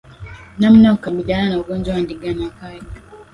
Namna ya kukabiliana na ugonjwa wa ndigana kali